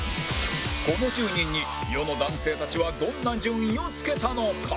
この１０人に世の男性たちはどんな順位を付けたのか？